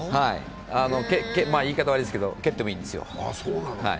言い方悪いですけど、蹴ってもいいんですよ。